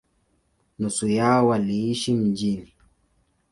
Nusu yao waliishi mjini.